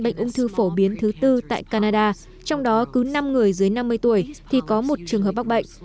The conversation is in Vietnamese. bệnh ung thư phổ biến thứ tư tại canada trong đó cứ năm người dưới năm mươi tuổi thì có một trường hợp bắc bệnh